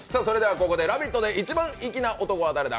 ここで「ラヴィット！」で一番粋な男は誰だ！？